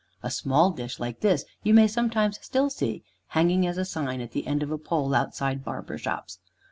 A small dish like this you may sometimes still see hanging as a sign at the end of a pole outside barbers' shops.